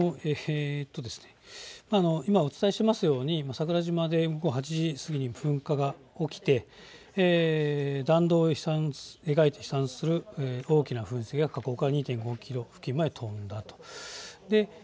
今、お伝えしていますように桜島で午後８時過ぎに噴火が起きて、弾道を描いて飛散する大きな噴石が火口から２．５キロ付近まで飛んだと。